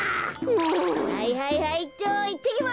はいはいはいっといってきます。